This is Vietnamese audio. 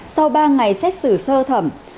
sau ba ngày xét xử sơ thẩm